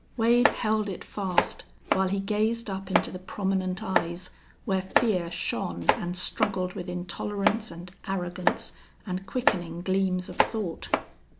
Wade held it fast, while he gazed up into the prominent eyes, where fear shone and struggled with intolerance and arrogance and quickening gleams of thought.